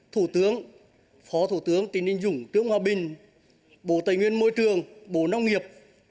thủ tướng phó thủ tướng tỉnh ninh dũng tướng hòa bình bộ tây nguyên môi trường bộ nông nghiệp